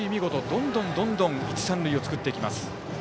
どんどんと一、三塁を作っていきます。